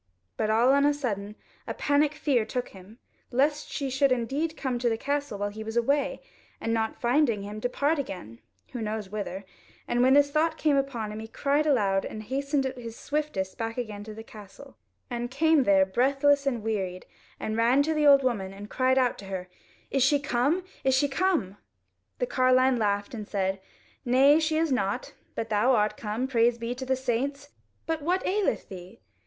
But all on a sudden a panic fear took him, lest she should indeed come to the castle while he was away, and not finding him, depart again, who knows whither; and when this thought came upon him, he cried aloud, and hastened at his swiftest back again to the castle, and came there breathless and wearied, and ran to the old woman, and cried out to her; "Is she come? is she come?" The carline laughed and said, "Nay, she is not, but thou art come: praise be to the saints! But what aileth thee?